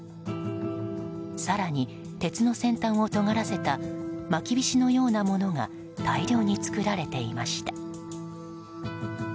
更に、鉄の先端をとがらせたまきびしのようなものが大量に作られていました。